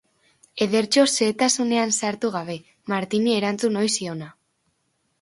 Ederto, xehetasunetan sartu gabe, Martini erantzun ohi ziona.